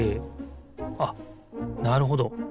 あっなるほど。